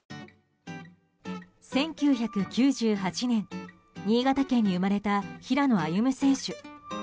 １９９８年新潟県に生まれた平野歩夢選手。